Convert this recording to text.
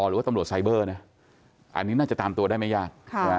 หรือว่าตำรวจไซเบอร์นะอันนี้น่าจะตามตัวได้ไม่ยาก